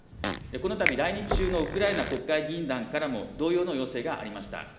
このたび来日中のウクライナ国会議員団からも同様の要請がありました。